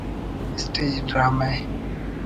stage drama